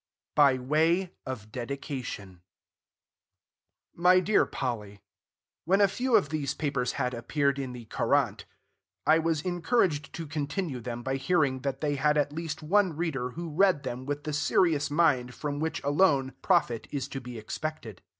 BY WAY OF DEDICATION MY DEAR POLLY, When a few of these papers had appeared in "The Courant," I was encouraged to continue them by hearing that they had at least one reader who read them with the serious mind from which alone profit is to be expected.